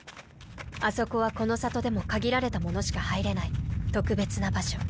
あそこはこの里でも限られた者しか入れない特別な場所。